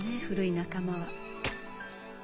古い仲間は。